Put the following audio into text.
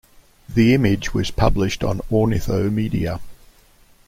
The image was published on Ornithomedia.